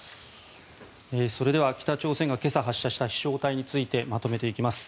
それでは北朝鮮が今朝発射した飛翔体についてまとめていきます。